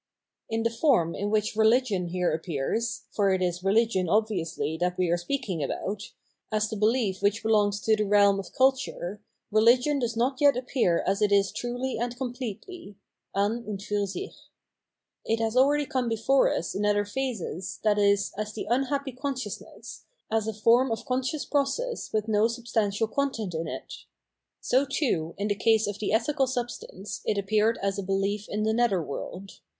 In the form in which Rehgion here appears for it is rehgion obviously that we are speaking about— as the behef which belongs to the realm of culture, rehgion does not yet appear as it is truly and completely {an und fiir sich). It has already come before us in other phases, viz. as the un happy consciousness, as a form of conscious process with no substantial content in it. So, too, in the case of the ethical substance, it appeared as a behef in the nether world.